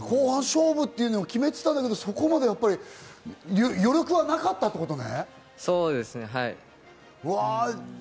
後半勝負とは決めてたんだけど、そこまでやっぱり余力はなかったってことね？